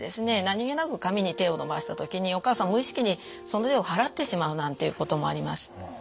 何気なく髪に手を伸ばした時にお母さん無意識にその手を払ってしまうなんていうこともあります。